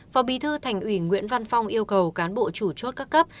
phó bí thư thành ủy nguyễn văn phong yêu cầu cán bộ chủ chốt các cấp